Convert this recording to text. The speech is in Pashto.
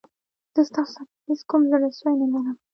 زه ستاسو سره هېڅ کوم زړه سوی نه لرم.